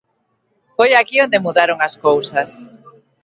Foi aquí onde mudaron as cousas.